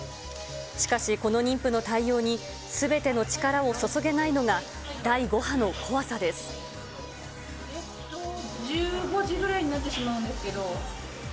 しかし、この妊婦の対応にすべての力を注げないのが、第５波の怖１５時ぐらいになってしまうんですけど。